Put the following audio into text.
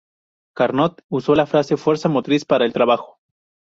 Carnot usó la frase fuerza motriz para el trabajo.